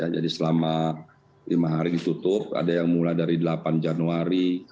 jadi selama lima hari ditutup ada yang mulai dari delapan januari